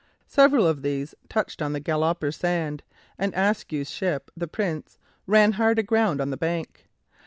Several of these touched on the Galloper Sand, and Ascue's ship, the "Prince," ran hard aground on the bank.